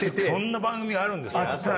そんな番組あるんですか？